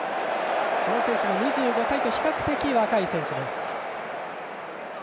この選手も２５歳と比較的若い選手です。